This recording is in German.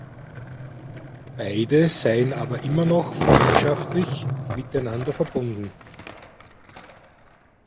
Beide seien aber immer noch freundschaftlich miteinander verbunden.